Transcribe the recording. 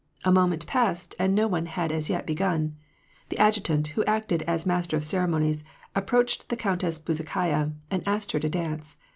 A moment passed, and no one had as yet begun. The adjutant, who acted as master of cere monies, approached the Countess Bezukhaya, and asked her to dance.